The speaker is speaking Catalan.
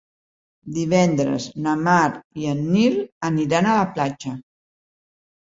Divendres na Mar i en Nil aniran a la platja.